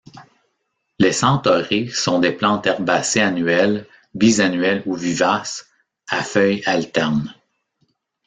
Les centaurées sont des plantes herbacées annuelles, bisannuelles ou vivaces, à feuilles alternes.